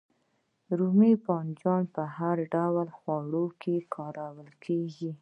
رومی بانجان په هر ډول خوړو کې کاریږي